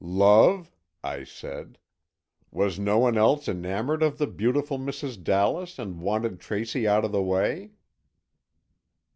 "Love?" I said. "Was no one else enamoured of the beautiful Mrs. Dallas, and wanted Tracy out of the way?"